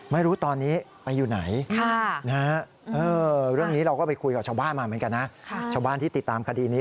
ไม่รู้ตอนนี้ไปอยู่ไหนเรื่องนี้เราก็ไปคุยกับชาวบ้านมาเหมือนกันนะชาวบ้านที่ติดตามคดีนี้